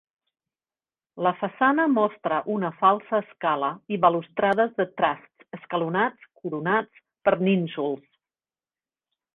La façana mostra una falsa escala i balustrades de trasts escalonats coronats per nínxols.